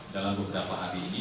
dalam beberapa hari ini